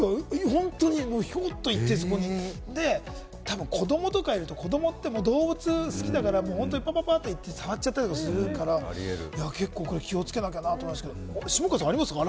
本当にヒョっとそこにいて、子どもとかいると、子どもって動物好きだから、パパパっと行って触っちゃったりとかするから、気をつけなきゃなと思うんですけれども、下川さんはありますか？